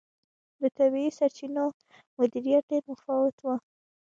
د طبیعي سرچینو مدیریت ډېر متفاوت و.